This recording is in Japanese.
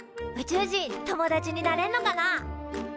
宇宙人友達になれんのかな？